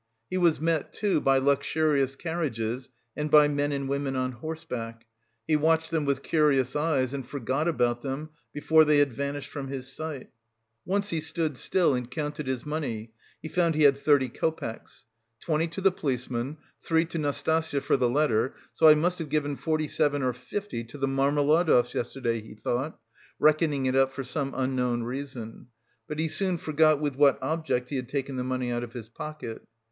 He was met, too, by luxurious carriages and by men and women on horseback; he watched them with curious eyes and forgot about them before they had vanished from his sight. Once he stood still and counted his money; he found he had thirty copecks. "Twenty to the policeman, three to Nastasya for the letter, so I must have given forty seven or fifty to the Marmeladovs yesterday," he thought, reckoning it up for some unknown reason, but he soon forgot with what object he had taken the money out of his pocket.